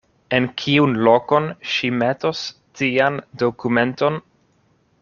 En kiun lokon ŝi metos tian dokumenton?